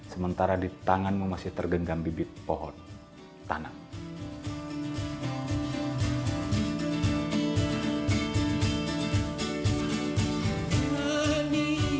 sementara di tanganmu masih tergenggam bibit pohon tanam